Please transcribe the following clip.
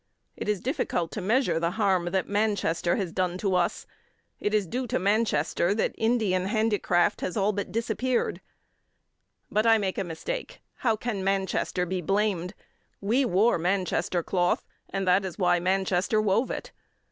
It is difficult to measure the harm that Manchester has done to us. It is due to Manchester that Indian handicraft has all but disappeared. But I make a mistake. How can Manchester be blamed? We wore Manchester cloth, and that is why Manchester wove it.